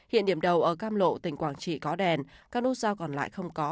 hiện điểm đầu ở cam lộ tỉnh quảng trị có đèn các nút giao còn lại không có